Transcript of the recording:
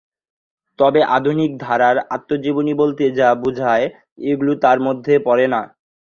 তবে আধুনিক ধারার আত্মজীবনী বলতে যা বোঝায়, এগুলি তার মধ্যে পড়ে না।